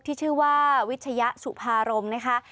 ที่ชื่อว่าวิชยสุภารมนะคะ